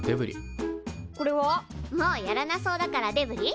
もうやらなそうだからデブリ？